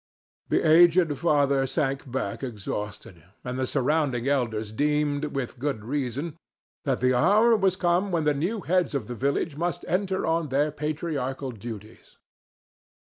The aged father sank back exhausted, and the surrounding elders deemed, with good reason, that the hour was come when the new heads of the village must enter on their patriarchal duties.